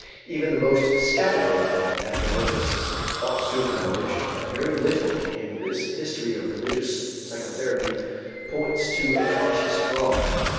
Even the most skeptical of ethnologists ought to acknowledge that very little in this history of religious psychotherapy points to a conscious fraud.